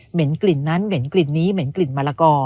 กลิ่นนั้นเหม็นกลิ่นนี้เหม็นกลิ่นมะละกอ